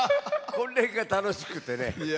これが楽しくてね。